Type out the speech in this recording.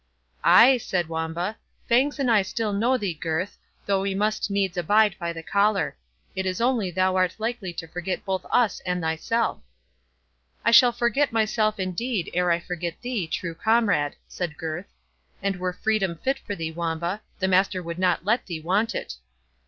"Ay," said Wamba, "Fangs and I still know thee, Gurth, though we must needs abide by the collar; it is only thou art likely to forget both us and thyself." "I shall forget myself indeed ere I forget thee, true comrade," said Gurth; "and were freedom fit for thee, Wamba, the master would not let thee want it."